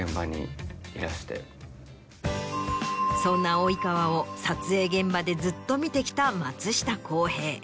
そんな及川を撮影現場でずっと見てきた松下洸平。